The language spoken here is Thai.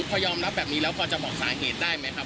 พอยอมรับแบบนี้แล้วพอจะบอกสาเหตุได้ไหมครับ